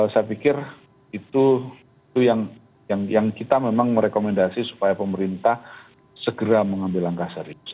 saya pikir itu yang kita memang merekomendasi supaya pemerintah segera mengambil langkah serius